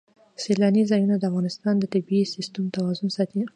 سیلانی ځایونه د افغانستان د طبعي سیسټم توازن ساتي.